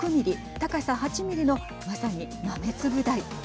高さ８ミリの、まさに豆粒大。